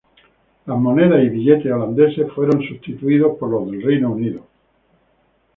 Las monedas y billetes holandeses fueron sustituidos por los del Reino Unido.